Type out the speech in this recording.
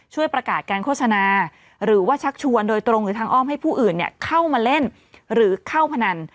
ช่วยประกาศการโฆษณาหรือว่าชักชวนโดยตรงหรือทางอ้อมให้ผู้อื่นเข้ามาเล่นหรือเข้าพนัน